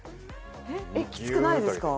えっきつくないですか？